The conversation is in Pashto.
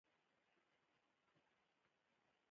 • د باران څاڅکو ته کښېنه.